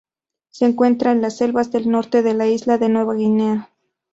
Se encuentra en las selvas del norte de la isla de Nueva Guinea.